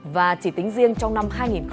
và chỉ tính riêng trong năm hai nghìn hai mươi hai